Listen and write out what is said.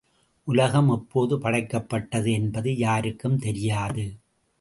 உலகம் எப்போது படைக்கப்பட்டது என்பது யாருக்கும் தெரியாது.